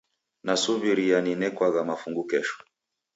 Nasuw'iria ninekwagha mafungu kesho.